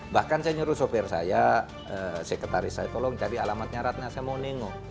bahkan saya nyuruh sopir saya sekretaris saya tolong cari alamatnya ratna saya mau nengok